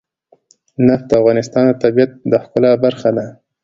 نفت د افغانستان د طبیعت د ښکلا برخه ده.